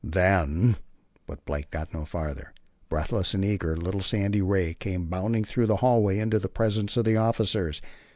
"Then " But Blake got no further. Breathless and eager, little Sandy Ray came bounding through the hallway into the presence of the officers.